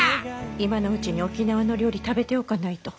今のうちに沖縄の料理食べておかないと。